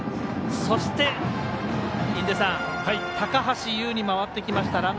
そして、高橋友に回ってきました。